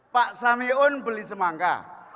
pak samiun beli semangka